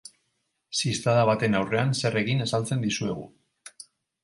Ziztada baten aurrean zer egin azaltzen dizuegu.